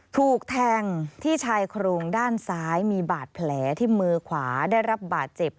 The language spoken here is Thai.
ถูกแทงที่ชายโครงด้านซ้ายมีบาดแผลที่มือขวาได้รับบาดเจ็บ